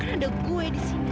ada gue di sini